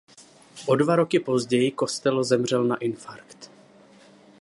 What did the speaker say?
O dva roky později Costello zemřel na infarkt.